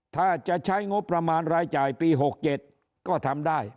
ถ้าจะใช้งบประมาณรายจ่ายปี๖๗ก็ทำได้